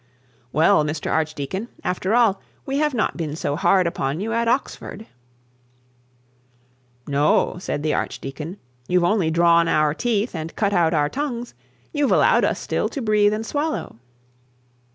Well, Mr Archdeacon, after all, we have not been so hard upon you at Oxford.' 'No,' said the archdeacon; 'you've only drawn our teeth and cut out our tongues; you've allowed us still to breathe and swallow.'